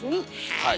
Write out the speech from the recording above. はい。